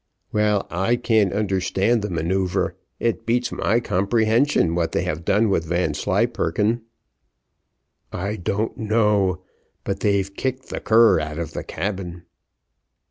"Well, I can't understand the manoeuvre. It beats my comprehension, what they have done with Vanslyperken." "I don't know, but they've kicked the cur out of the cabin."